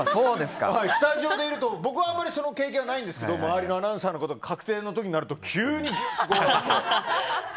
スタジオにいると僕はあまり、その経験はないんですけど周りのアナウンサーの方々は確定の時になると急にちょっと。